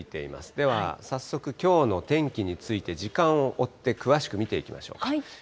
では早速、きょうの天気について時間を追って詳しく見ていきましょうか。